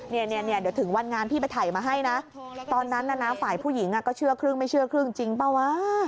เนี่ยเดี๋ยวถึงวันงานพี่ไปถ่ายมาให้นะตอนนั้นน่ะนะฝ่ายผู้หญิงก็เชื่อครึ่งไม่เชื่อครึ่งจริงเปล่าวะ